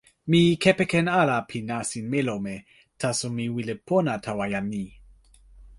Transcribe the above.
mi kepeken ala pi nasin melome, taso mi wile pona tawa jan ni.